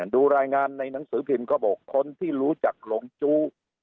ดูรายงานในหนังสือพิมพ์ก็บอกคนที่รู้จักหลงจู้